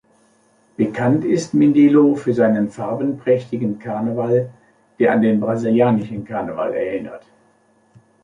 Bekannt ist Mindelo für seinen farbenprächtigen Karneval, der an den brasilianischen Karneval erinnert.